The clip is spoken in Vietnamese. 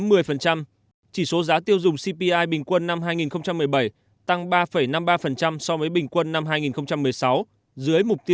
bởi tầng cao nhất của chính phủ của indonesia